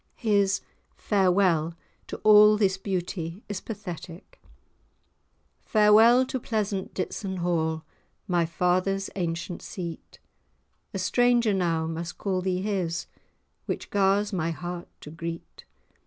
His "Farewell" to all this beauty is pathetic. "Farewell to pleasant Ditson Hall, My father's ancient seat; A stranger now must call thee his, Which gars[#] my heart to greet.